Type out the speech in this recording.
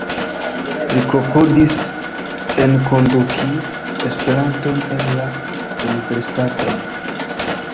Li klopodis enkonduki Esperanton en la universitaton.